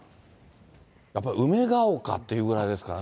やっぱり梅ヶ丘っていうぐらいですからね。